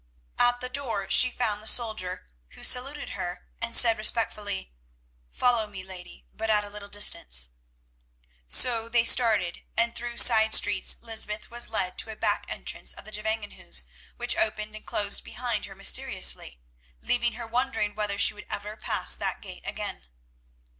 At the door she found the soldier, who saluted her, and said respectfully, "Follow me, lady, but at a little distance." So they started, and through side streets Lysbeth was led to a back entrance of the Gevangenhuis, which opened and closed behind her mysteriously, leaving her wondering whether she would ever pass that gate again.